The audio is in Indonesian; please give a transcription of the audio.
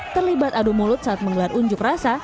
terlibat adu mulut saat menggelar unjuk rasa